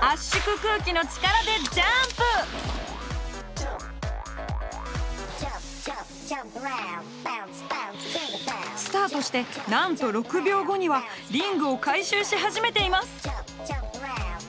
圧縮空気の力でスタートしてなんと６秒後にはリングを回収し始めています。